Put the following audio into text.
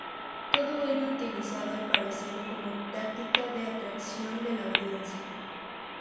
Todo ello utilizado, al parecer, como táctica de atracción de la audiencia.